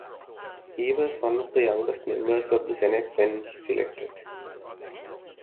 He was one of the youngest members of the Senate when elected.